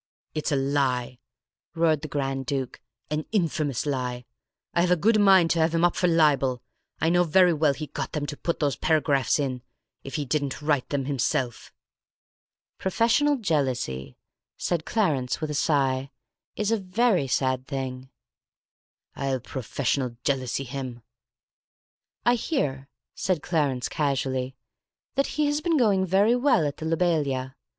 "It's a lie!" roared the Grand Duke. "An infamous lie! I've a good mind to have him up for libel. I know very well he got them to put those paragraphs in, if he didn't write them himself." "Professional jealousy," said Clarence, with a sigh, "is a very sad thing." "I'll professional jealousy him!" "I hear," said Clarence casually, "that he has been going very well at the Lobelia.